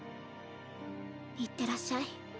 いってらっしゃい。